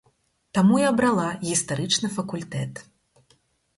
Таму і абрала гістарычны факультэт.